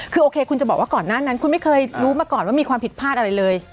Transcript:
คือโอเคคุณจะบอกว่าก่อนหน้านั้นคุณไม่เคยรู้มาก่อนว่ามีความผิดพลาดอะไรเลย